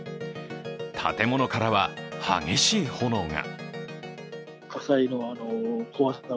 建物からは激しい炎が。